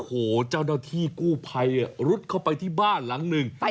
โอ้โหเจ้าหน้าที่กู้ภัยรุดเข้าไปที่บ้านหลังหนึ่ง